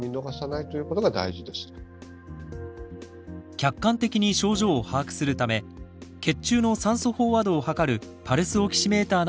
客観的に症状を把握するため血中の酸素飽和度を測るパルスオキシメーターなどを活用してください。